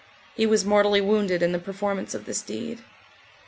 He was mortally wounded in the performance of this deed.